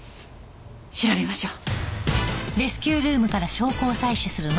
調べましょう。